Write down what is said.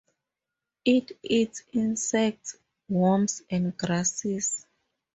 It eats insects, worms and grasses.